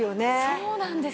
そうなんですよ。